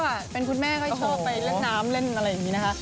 อีกแล้วอ่ะเป็นคุณแม่ก็ให้โชว์ไปเล่นน้ำเล่นอะไรอย่างนี้นะคะ